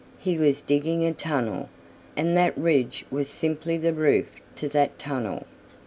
He was digging a tunnel, and that ridge was simply the roof to that tunnel.